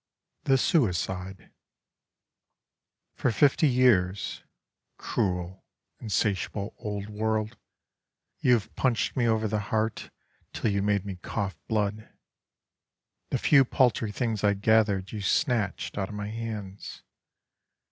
THE SUICIDE For fifty years, Cruel, insatiable Old World, You have punched me over the heart Till you made me cough blood. The few paltry things I gathered You snatched out of my hands.